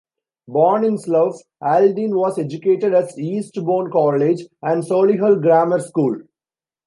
Born in Slough, Aldin was educated at Eastbourne College and Solihull Grammar School.